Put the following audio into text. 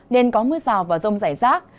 nên có mưa rào và rông rải rác